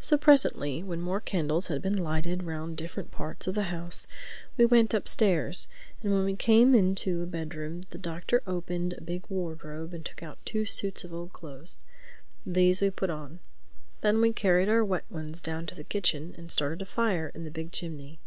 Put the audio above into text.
So presently when more candles had been lighted round different parts of the house, we went upstairs; and when we had come into a bedroom the Doctor opened a big wardrobe and took out two suits of old clothes. These we put on. Then we carried our wet ones down to the kitchen and started a fire in the big chimney.